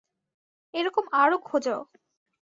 এরকম আরো খোঁজ।